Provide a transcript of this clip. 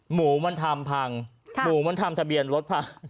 หมูมันทำทะเบียนรถพัง